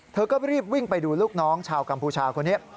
เธอก็รีบวิ่งไปดูลูกน้องชาวกัมพูชาคนนี้